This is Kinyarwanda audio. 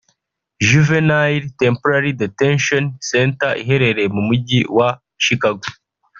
Juvenile Temporary Detention Center iherereye mu mujyi wa Chicago